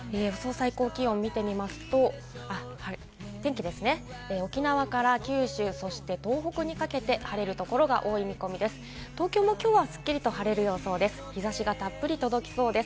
最高気温を見てみますと、天気ですね、沖縄から九州、そして東北にかけて晴れる所が多い見込みです。